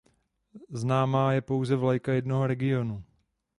Známa je pouze vlajka jednoho regionu.